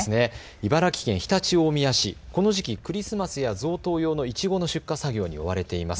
茨城県常陸大宮市、この時期クリスマスや贈答用のいちごの出荷作業に追われています。